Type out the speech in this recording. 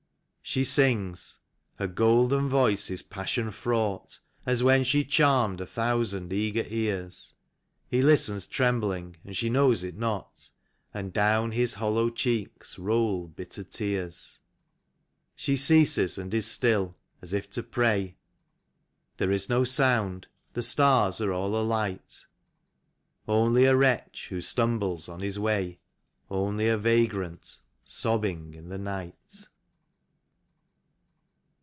She sings — her golden voice is passion fraught As when she charmed a thousand eager ears ; He listens trembling, and she knows it not, And down his hollow cheeks roll bitter tears. She ceases and is still, as if to pray; There is no sound, the stars are all alight — Only a wretch who stumbles on his way. Only a vagrant sobbing in the night.